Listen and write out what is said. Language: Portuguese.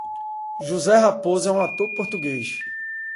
José Raposo é um ator português.